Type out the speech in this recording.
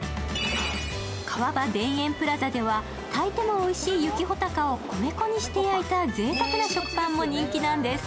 川場田園プラザでは炊いてもおいしい雪ほたかを米粉にして焼いた、ぜいたくや食パンも人気なんです。